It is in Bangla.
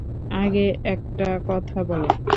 আগে একটা কথা বলো।